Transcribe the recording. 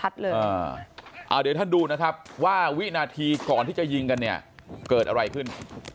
เดี๋ยวท่านดูนะครับว่าวินาทีก่อนที่จะยิงกันเนี่ยเกิดอะไรขึ้น